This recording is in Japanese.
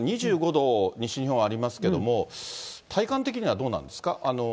２５度、西日本ありますけど、体感的にはどうなんですか。